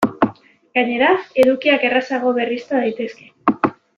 Gainera, edukiak errazago berrizta daitezke.